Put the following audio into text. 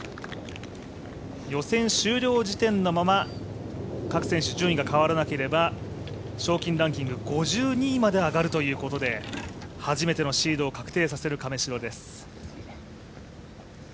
予選終了時点のまま各選手順位が変わらなければ賞金ランキング５２位まで上がるということで、初めてのシードを確定させる亀代です。